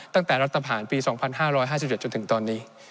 ตั้งแต่รัฐผ่านปี๒๕๕๗จนถึงตอนนี้